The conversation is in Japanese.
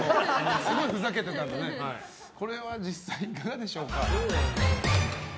すごいふざけてたんですけど実際にはいかがでしょうか？